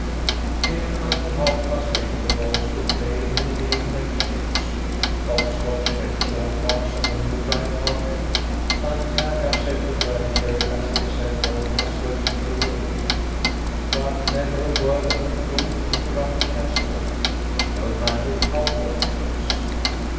Here until half past eight the boys could play any game they chose. Hop scotch left chalk marks on the new rag carpet, and tag upset the furniture as if a cyclone had swept through the room, but never a word of reproof interrupted their sport, no matter how boisterous.